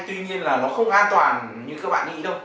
tuy nhiên là nó không an toàn như các bạn ý đâu